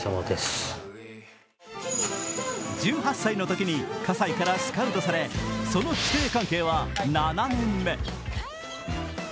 １８歳のときに葛西からスカウトされその師弟関係は７年目。